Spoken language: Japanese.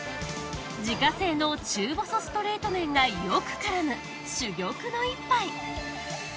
自家製の中細ストレート麺がよく絡む珠玉の一杯。